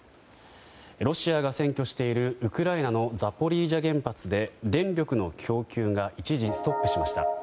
ロシアが占拠しているウクライナのザポリージャ原発で電力の供給が一時ストップしました。